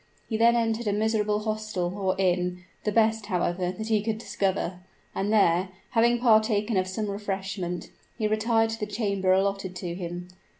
He then entered a miserable hostel, or inn the best, however, that he could discover; and there, having partaken of some refreshment, he retired to the chamber allotted to him.